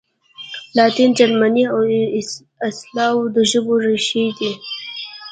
لاتین، جرمني او سلاو د ژبو ریښې دي.